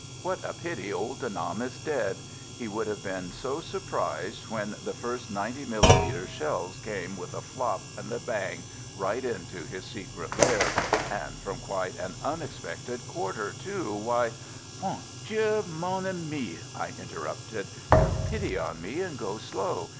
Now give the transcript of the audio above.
What a pity old De Nam is dead! He would have been so surprised when the first 90 millimètre shells came with a flop and a bang right into his secret lair; and from quite an unexpected quarter, too. Why " "Bon Dieu! mon ami," I interrupted, "have pity on me and go slow.